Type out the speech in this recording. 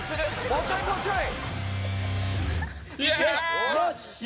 もうちょいもうちょい！